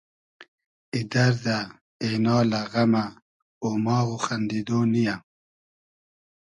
ای دئردۂ ، اېنالۂ ، غئمۂ ، اۉماغ و خئندیدۉ نییۂ